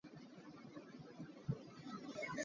Laimi siamnak ah tlak le puanchia a hman hna.